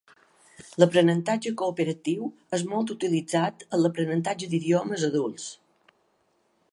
L'aprenentatge cooperatiu és molt utilitzat en l'aprenentatge d'idiomes a adults.